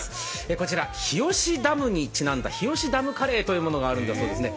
こちら、日吉ダムにちなんだ、ひよしダムカレーというものがあるそうなんですね。